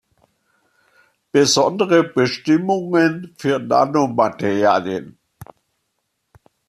Besondere Bestimmungen für Nanomaterialien.